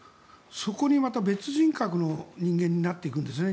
そこでまた別人格の人間になっていくんですね。